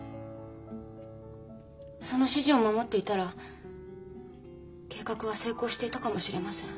その指示を守っていたら計画は成功していたかもしれません。